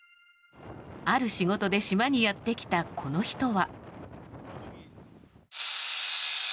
ある仕事で島にやってきたこの人は。